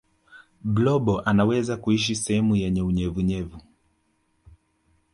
blobo anaweza kuishi sehemu yenye unyevunyevu